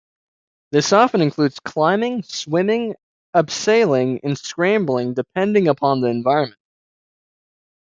This often includes climbing, swimming, abseiling and scrambling depending upon the environment.